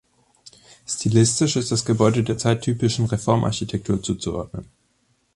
Stilistisch ist das Gebäude der zeittypischen Reformarchitektur zuzuordnen.